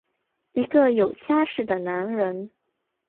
一个有家室的男人！